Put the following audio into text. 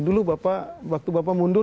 dulu bapak waktu bapak mundur